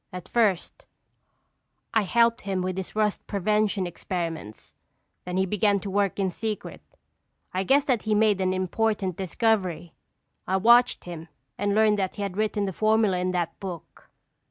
At first I helped him with his rust prevention experiments, then he began to work in secret. I guessed that he had made an important discovery. I watched him and learned that he had written the formula in that book."